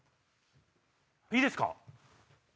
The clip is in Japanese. いいですか？